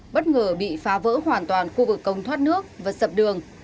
bất ngờ bị phá vỡ hoàn toàn khu vực công thoát nước và sập đường